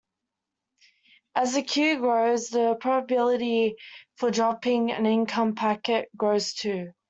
As the queue grows, the probability for dropping an incoming packet grows too.